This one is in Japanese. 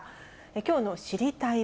きょうの知りたいッ！